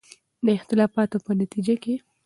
د اختلافاتو په نتیجه کې